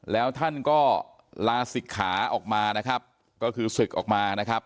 แล้วท่านก็ลาศิกขาออกมานะครับก็คือศึกออกมานะครับ